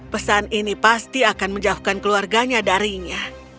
pesan ini pasti akan menjauhkan keluarganya darinya